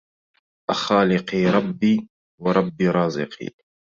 أخالقي رب ورب رازقي